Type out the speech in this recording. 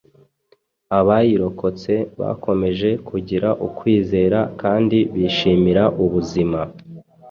abayirokotse bakomeje kugira ukwizera kandi bishimira ubuzima